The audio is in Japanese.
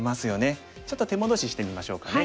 ちょっと手戻ししてみましょうかね。